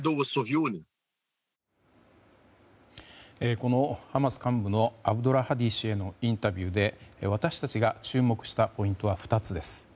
このハマス幹部のアブドルハディ氏へのインタビューで私たちが注目したポイントは２つです。